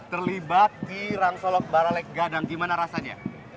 terlibat di rang solok baraleg gadang gimana rasanya